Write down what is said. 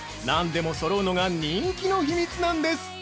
なんでも揃うのが人気の秘密なんです！